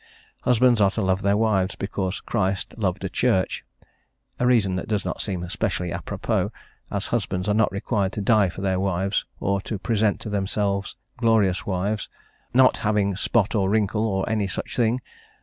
Husbands are to love their wives because Christ loved a church a reason that does not seem specially a propos, as husbands are not required to die for their wives or to present to themselves glorious wives, not having spot or wrinkle or any such thing